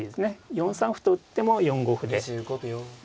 ４三歩と打っても４五歩で。